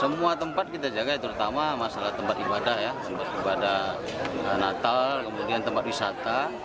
semua tempat kita jaga terutama masalah tempat ibadah ya tempat ibadah natal kemudian tempat wisata